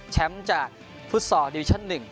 แชมป์จากฟุตสอร์ดิวิชั่นหนึ่ง